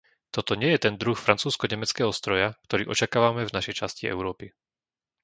Toto nie je ten druh francúzsko-nemeckého stroja, ktorý očakávame v našej časti Európy.